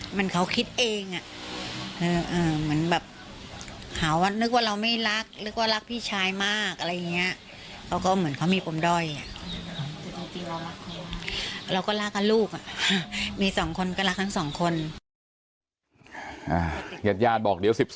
เหมือนเขาคิดเองอ่ะเหมือนแบบหาว่านึกว่าเราไม่รักนึกว่ารักพี่ชายมากอะไรอย่างนี้